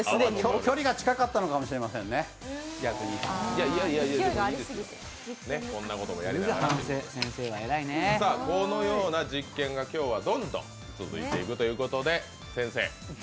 距離が近かったのかもしれませんね、逆にこのような実験が今日はどんどん続いていくということで。